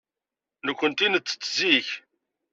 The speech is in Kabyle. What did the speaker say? Nekkenti nettett zik.